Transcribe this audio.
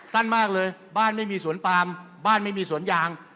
สั้นมากเลยบ้านไม่มีสวนปามบ้านไม่มีสวนยาง